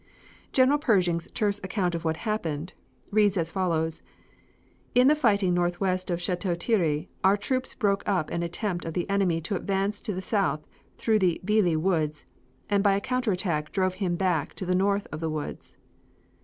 General Pershing's terse account of what happened reads as follows: "In the fighting northwest of Chateau Thierry our troops broke up an attempt of the enemy to advance to the south through Veuilly Woods, and by a counter attack drove him back to the north of the woods."